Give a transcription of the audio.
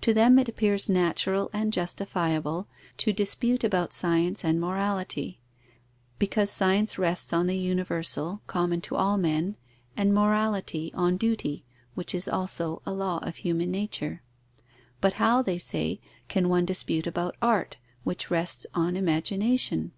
To them it appears natural and justifiable to dispute about science and morality; because science rests on the universal, common to all men, and morality on duty, which is also a law of human nature; but how, they say, can one dispute about art, which rests on imagination?